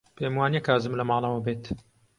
پێم وانییە کازم لە ماڵەوە بێت.